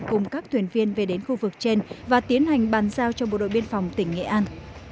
cùng các thuyền viên về đến khu vực trên và tiến hành bàn giao cho bộ đội biên phòng tỉnh nghệ an